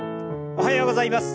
おはようございます。